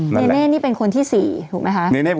เนเน่นี่เป็นคนที่๔ถูกไหมคะ